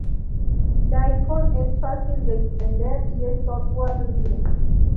Daikon es fácil de extender y es software libre